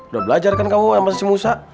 udah belajar kan kamu sama si musa